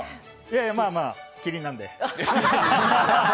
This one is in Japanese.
いや、まあまあきりんなんで。